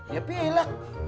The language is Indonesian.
ya pi lah